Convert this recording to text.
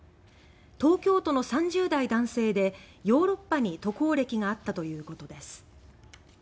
東京都の３０代男性でヨーロッパに渡航歴があったということです。